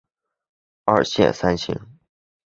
二线三星。